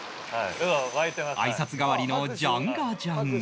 あいさつ代わりのジャンガジャンガ